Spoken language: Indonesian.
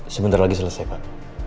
sebentar lagi selesai pak